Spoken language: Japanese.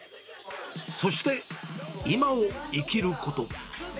そして今を生きること。